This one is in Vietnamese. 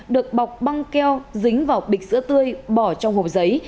được bọc băng keo dính vào bịch sữa tươi bỏ trong hộp giấy